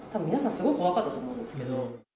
すごい怖かったと思うんですけど。